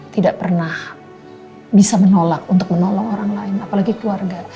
tidak pernah bisa menolak untuk menolong orang lain apalagi keluarga